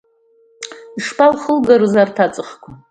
Ишԥалхылгарыз арҭ аҵхқәа?